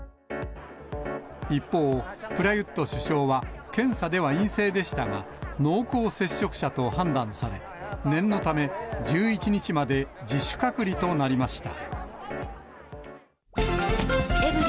一方、プラユット首相は検査では陰性でしたが、濃厚接触者と判断され、念のため、１１日まで自主隔離となりました。